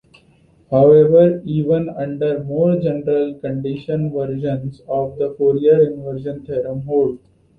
However, even under more general conditions versions of the Fourier inversion theorem hold.